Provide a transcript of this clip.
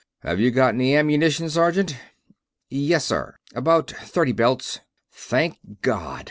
"Have you got any ammunition, sergeant?" "Yes, sir. About thirty belts." "Thank God!